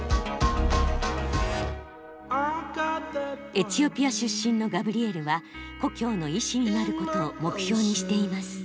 エチオピア出身のガブリエルは故郷の医師になることを目標にしています。